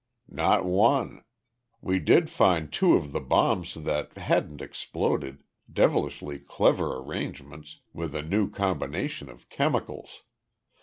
"Not one. We did find two of the bombs that hadn't exploded devilishly clever arrangements, with a new combination of chemicals.